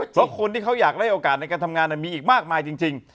เพราะคนที่เขาอยากได้โอกาสในการทำงานมีอีกมากมายจริง